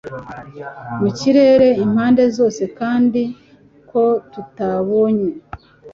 mu kirere impande zose kandi ko tutabonye